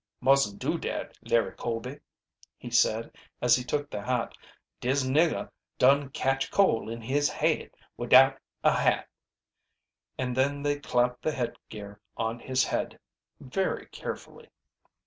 "Mustn't do dat, Larry Colby," he said, as he took the hat. "Dis niggah dun cotch cole in his haid widout a hat." And then they clapped the headgear on his head, very carefully.